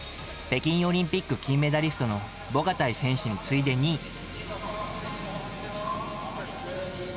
北京オリンピック金メダリストのボガタイ選手に次いで２位。